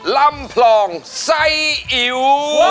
ลำพลองไส้อิ๋ว